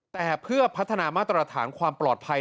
แต่เพื่อพัฒนามาตรฐานความปลอดภัย